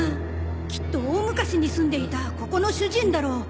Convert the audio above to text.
きっと大昔に住んでいたここの主人だろう。